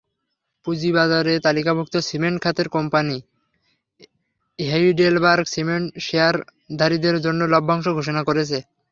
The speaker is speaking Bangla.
পুঁজিবাজারে তালিকাভুক্ত সিমেন্ট খাতের কোম্পানি হেইডেলবার্গ সিমেন্ট শেয়ারধারীদের জন্য লভ্যাংশ ঘোষণা করেছে।